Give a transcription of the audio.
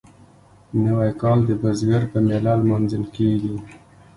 نوی کال د بزګر په میله لمانځل کیږي.